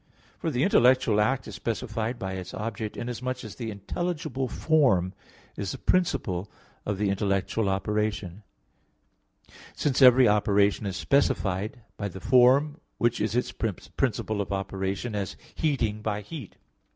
For the intellectual act is specified by its object, inasmuch as the intelligible form is the principle of the intellectual operation: since every operation is specified by the form which is its principle of operation; as heating by heat.